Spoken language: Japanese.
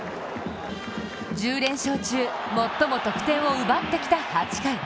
１０連勝中、最も得点を奪ってきた８回。